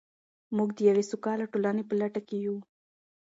موږ د یوې سوکاله ټولنې په لټه کې یو.